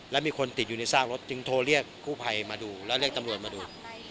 แล้วมีคนติดอยู่ในซากรถจึงโทรเรียกกู้ภัยมาดูแล้วเรียกตำรวจมาดู